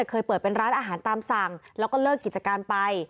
เคยเปิดเป็นร้านอาหารตามสั่งแล้วก็เลิกกิจการไป